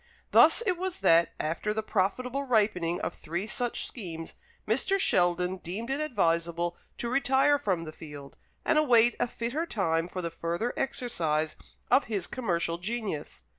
Thus it was that, after the profitable ripening of three such schemes, Mr. Sheldon deemed it advisable to retire from the field, and await a fitter time for the further exercise of his commercial genius.